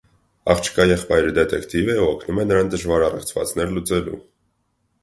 Աղջկա եղբայրը դետեկտիվ է ու օգնում է նրան դժվար առեղծվածներ լուծելու։